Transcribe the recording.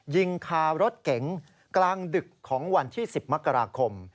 ยิงคารถเก๋งกลางดึกของวันที่๑๐มกราคม